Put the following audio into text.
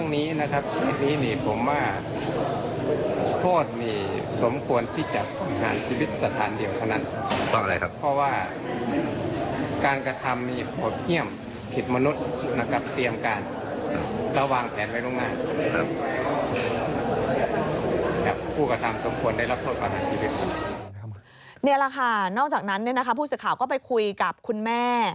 นี่แหละค่ะนอกจากนั้นผู้สื่อข่าวก็ไปคุยกับคุณแม่